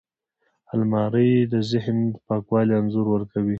الماري د ذهن پاکوالي انځور ورکوي